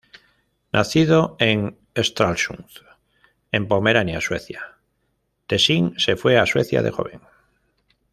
Nacido en Stralsund, en Pomerania Sueca, Tessin se fue a Suecia de joven.